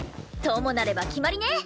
ともなれば決まりね！